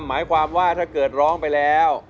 หมายความว่าถ้าเกิดร้องไปแล้ว